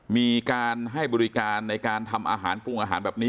มีการให้บริการในการทำอาหารปรุงอาหารแบบนี้